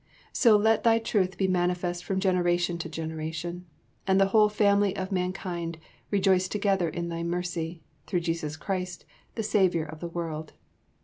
So let Thy truth be manifest from generation to generation, and the whole family of mankind rejoice together in Thy mercy, through Jesus Christ, the Saviour of the world.